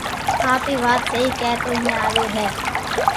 آ بي وات سھي ڪي تو ايئي آويو ھي